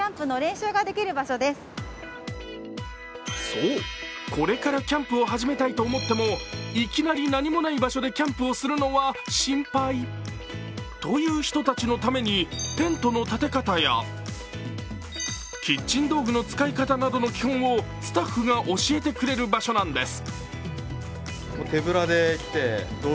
そう、これからキャンプを始めたいと思ってもいきなり何もない場所でキャンプをするのは心配という人のためにテントの建て方やキッチン道具の使い方などの基本をスタッフが教えてくれる場所なんです。